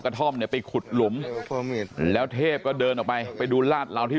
ท่อมเนี่ยไปขุดหลุมแล้วเทพก็เดินออกไปไปดูลาดเหลาที่